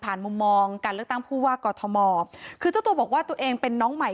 มุมมองการเลือกตั้งผู้ว่ากอทมคือเจ้าตัวบอกว่าตัวเองเป็นน้องใหม่